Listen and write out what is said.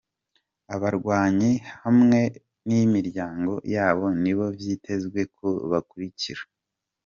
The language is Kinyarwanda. Abarwanyi hamwe n'imiryango yabo nibo vyitezwe ko bakurikira.